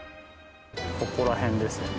ここら辺ですよね。